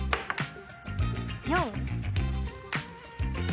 ４。